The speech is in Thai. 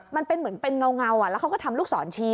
มันเป็นเหมือนเป็นเงาแล้วเขาก็ทำลูกศรชี้